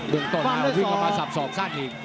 เมืองต้นวิ่งเข้ามาสับสอกสั้นอีก